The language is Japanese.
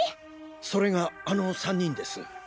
それがあの３人です。